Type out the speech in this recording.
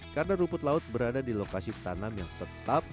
karena rumput laut berada di lokasi tanam yang tetap